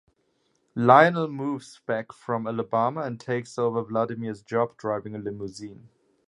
Lionel moves back from Alabama and takes over Vladimir's job driving a limousine.